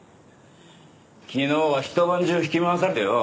昨日はひと晩中引き回されてよ。